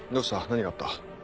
何があった。